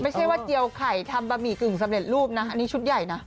ไม่ใช่ว่าเจียวไข่ทำบะหมี่กึ่งสำเร็จรูปนะอันนี้ชุดใหญ่นะ